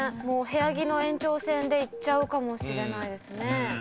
もう部屋着の延長線で行っちゃうかもしれないですね。